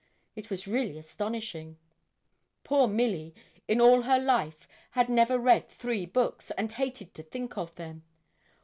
It was really astonishing. Poor Milly, in all her life, had never read three books, and hated to think of them.